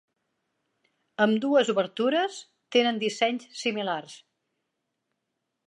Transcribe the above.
Ambdues obertures tenen dissenys similars.